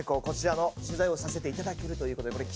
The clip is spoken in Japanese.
こちらの取材をさせていただけるということで。